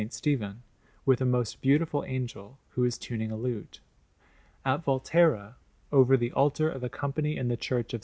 Stephen, with a most beautiful angel, who is tuning a lute. At Volterra, over the altar of a Company in the Church of S.